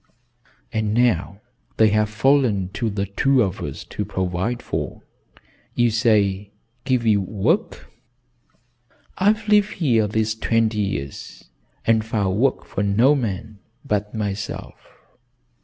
"And now they have fallen to the two of us to provide for. You say, give you work? I've lived here these twenty years and found work for no man but myself.